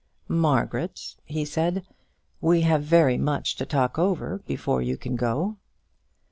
"Margaret," he said, "we have very much to talk over before you can go."